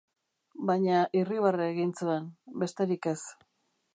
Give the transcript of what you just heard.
Baina irribarre egin zuen, besterik ez.